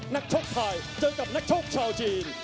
นักชกไทยเจอกับนักชกชาวจีน